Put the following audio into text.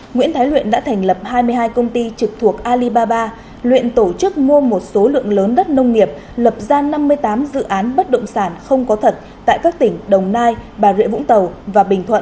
nguyễn thái luyện đã thành lập hai mươi hai công ty trực thuộc alibaba luyện tổ chức mua một số lượng lớn đất nông nghiệp lập ra năm mươi tám dự án bất động sản không có thật tại các tỉnh đồng nai bà rịa vũng tàu và bình thuận